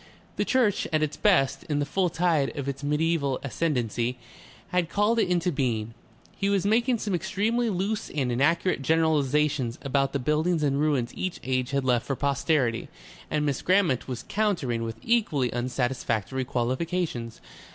The church at its best, in the full tide of its mediaeval ascendancy, had called it into being. He was making some extremely loose and inaccurate generalizations about the buildings and ruins each age had left for posterity, and Miss Grammont was countering with equally unsatisfactory qualifications.